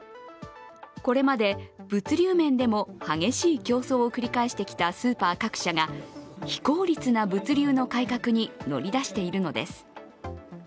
これまで物流面でも激しい競争を繰り返してきたスーパー各社が非効率な物流の改革に乗り出しているのです。